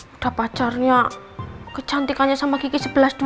udah pacarnya kecantikannya sama kiki sebelas dua puluh lima